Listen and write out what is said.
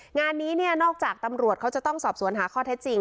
งานนี้เนี่ยนอกจากตำรวจเขาจะต้องสอบสวนหาข้อเท็จจริง